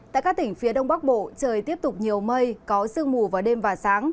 tại các tỉnh phía đông bắc bộ trời tiếp tục nhiều mây có sương mù vào đêm và sáng